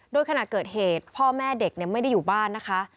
โดยขณะเกิดเหตุพ่อแม่เด็กไม่ได้อยู่บ้านนะคะ